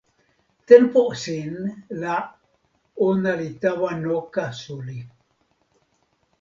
tenpo sin la ona li tawa noka suli.